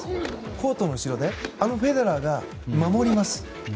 コートの後ろであのフェデラーが守ります。